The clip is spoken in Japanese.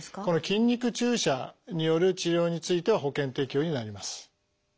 この筋肉注射による治療については保険適用になります。